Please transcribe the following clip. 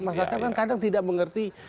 masyarakat memang kadang tidak mengerti